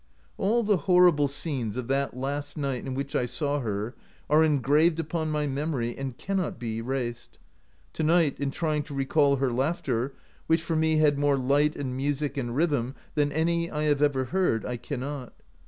" All the horrible scenes of that last night in which I saw her are engraved upon my memory, and cannot be erased. To night, in trying to recall her laughter, which for me had more light and music and rhythm than any I have ever heard, I cannot.